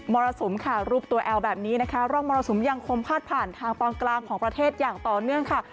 รสุมค่ะรูปตัวแอลแบบนี้นะคะร่องมรสุมยังคงพาดผ่านทางตอนกลางของประเทศอย่างต่อเนื่องค่ะ